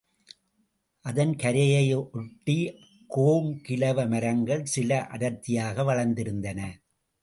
அதன் கரையை ஒட்டிக் கோங்கிலவ மரங்கள் சில அடர்த்தியாக வளர்ந் திருந்தன.